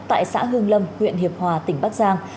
tại xã hương lâm huyện hiệp hòa tỉnh bắc giang